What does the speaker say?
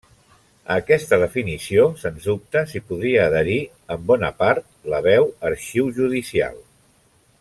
A aquesta definició, sens dubte, s'hi podria adherir, en bona part, la veu Arxiu Judicial.